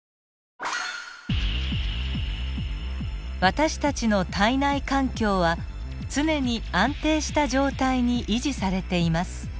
私たちの体内環境は常に安定した状態に維持されています。